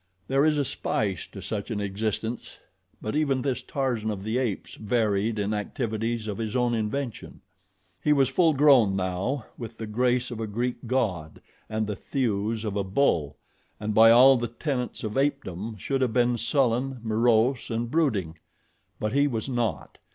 There is a spice to such an existence; but even this Tarzan of the Apes varied in activities of his own invention. He was full grown now, with the grace of a Greek god and the thews of a bull, and, by all the tenets of apedom, should have been sullen, morose, and brooding; but he was not.